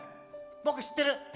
僕知ってる！